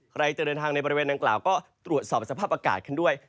ใครจะเดินทางในบริเวณดังกล่าวก็ตรวจสอบสภาพอากาศกันด้วย